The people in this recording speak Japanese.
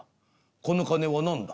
この金は何だ？」。